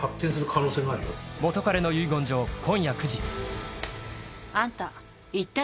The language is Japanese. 「元彼の遺言状」、今夜９時。